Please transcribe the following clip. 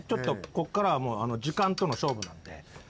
こっからは時間との勝負なんで。